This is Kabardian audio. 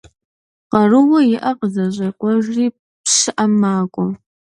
Къарууэ иӀэр къызэщӀекъуэжри, пщыӏэм макӀуэ.